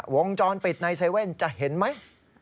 วงจรปิดในเซเว่นจะเห็นไหม